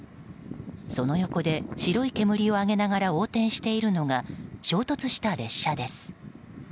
その横で白い煙を上げながら横転しているのが衝突した列車です。